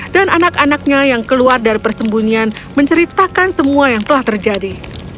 dan anak anaknya yang keluar dari persembunyian menceritakan semua yang telah terjadi